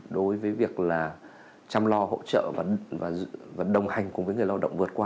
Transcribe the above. đối với việc chăm lo hỗ trợ và đồng hành cùng với người lao động vượt qua